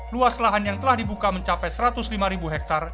luas lahan yang telah dibuka mencapai satu ratus lima hektare